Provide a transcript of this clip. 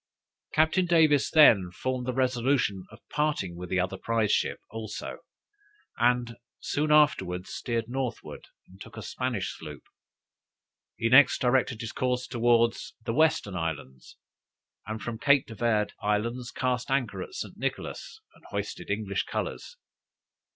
Captain Davis then formed the resolution of parting with the other prize ship also, and soon afterwards steered northward, and took a Spanish sloop. He next directed his course towards the western islands, and from Cape de Verd islands cast anchor at St. Nicholas, and hoisted English colors.